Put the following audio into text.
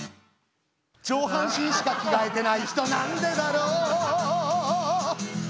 「上半身しか着替えてない人なんでだろう」